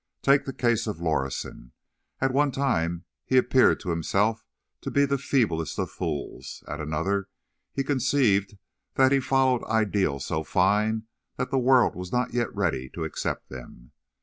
Take the case of Lorison. At one time he appeared to himself to be the feeblest of fools; at another he conceived that he followed ideals so fine that the world was not yet ready to accept them.